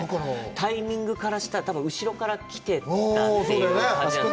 タイミングからしたら、多分、後ろから来てたという感じなんです。